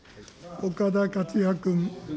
岡田克也君。